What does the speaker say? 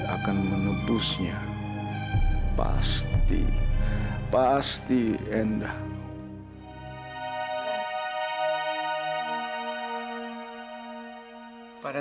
akan mengkhianati diri